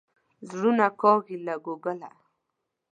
زړونه کاږي له کوګله.